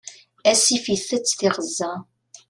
Asif itett tiɣezza.